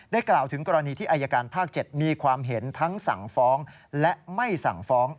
กล่าวถึงกรณีที่อายการภาค๗มีความเห็นทั้งสั่งฟ้องและไม่สั่งฟ้อง